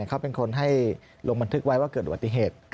เขาเป็นคนให้ลงบันทึกไว้ว่าเกิดอุบัติเหตุ